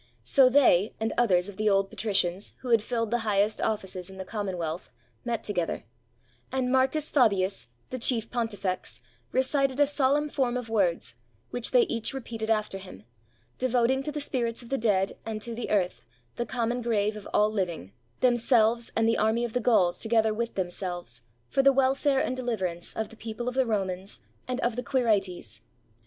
So they, and others of the old patri cians who had filled the highest offices in the common wealth, met together; and Marcus Fabius, the chief pon tifex, recited a solemn form of words, which they each 319 ROME repeated after him, devoting to the spirits of the dead and to the earth, the common grave of all living, them selves and the army of the Gauls together with them selves, for the welfare and deliverance of the people of the Romans and of the Quirites.